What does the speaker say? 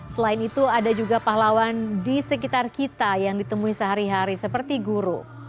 selain itu ada juga pahlawan di sekitar kita yang ditemui sehari hari seperti guru